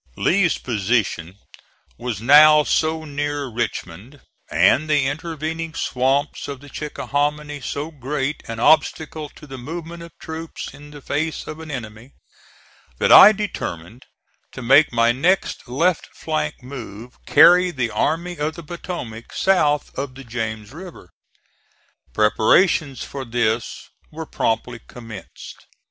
Lee's position was now so near Richmond, and the intervening swamps of the Chickahominy so great an obstacle to the movement of troops in the face of an enemy, that I determined to make my next left flank move carry the Army of the Potomac south of the James River. (*34) Preparations for this were promptly commenced.